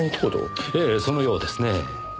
ええそのようですねぇ。